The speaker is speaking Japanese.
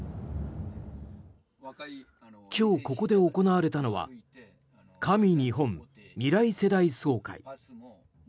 今日ここで行われたのは神日本未来世代総会。